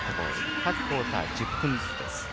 各クオーター１０分ずつです。